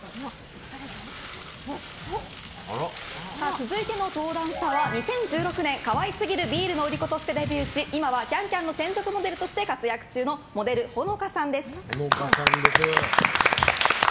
続いての登壇者は２０１６年可愛すぎるビールの売り子としてデビューし今は「ＣａｎＣａｍ」の専属モデルとして活躍中のモデルほのかさんです。